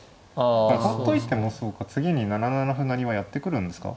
ほっといてもそうか次に７七歩成はやってくるんですか？